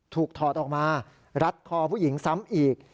ถอดออกมารัดคอผู้หญิงซ้ำอีก